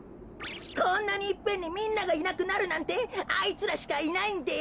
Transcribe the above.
こんなにいっぺんにみんながいなくなるなんてあいつらしかいないんです。